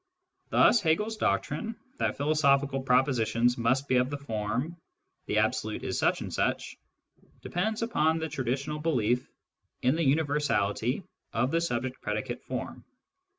Thus Hegel's doctrine, that philo sophical propositions must be of the form, " the Absolute is such and such," depends upon the traditional belief in the universality of the subject predicate form.